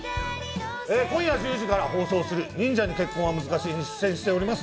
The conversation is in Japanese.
今夜１０時から放送する「忍者に結婚は難しい」に出演しております。